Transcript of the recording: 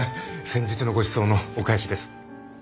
先日のごちそうのお返しです。